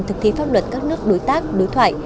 thực thi pháp luật các nước đối tác đối thoại